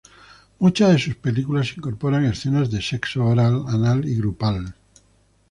Muchas de sus películas incorporan escenas de sexo oral, anal y grupal.